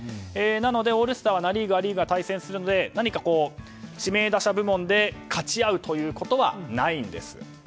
なのでオールスターはナ・リーグ、ア・リーグ対戦するので、指名打者部門でかち合うということはないんです。